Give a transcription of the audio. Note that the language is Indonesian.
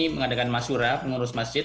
mengadakan masyurah pengurus masjid